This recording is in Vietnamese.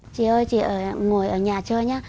chị ơi chị ngồi ở nhà chơi nhé